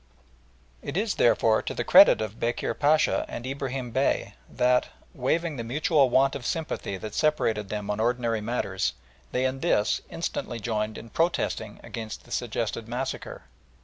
It is, therefore, to the credit of Bekir Pacha and Ibrahim Bey that, waiving the mutual want of sympathy that separated them on ordinary matters, they in this instantly joined in protesting against the suggested massacre.